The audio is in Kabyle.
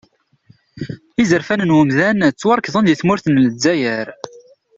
Izerfan n wemdan ttwarekḍen di tmurt n lezzayer.